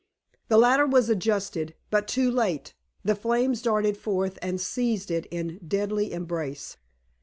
The ladder was adjusted, but too late; the flames darted forth and seized it in deadly embrace.